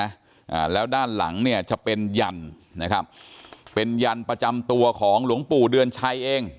อ่าแล้วด้านหลังเนี่ยจะเป็นยันนะครับเป็นยันประจำตัวของหลวงปู่เดือนชัยเอง